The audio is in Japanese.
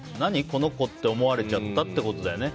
この子って思われちゃったってことですよね。